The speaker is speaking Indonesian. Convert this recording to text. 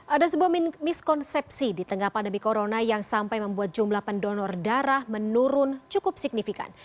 ada sebuah miskonsepsi di tengah pandemi corona yang sampai membuat jumlah pendonor darah menurun cukup signifikan